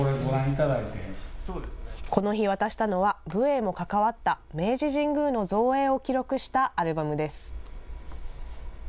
この日、渡したのは、武営も関わった明治神宮の造営を記録したアルバムです。